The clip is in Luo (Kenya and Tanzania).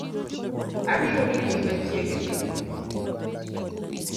Abiro limi machiegni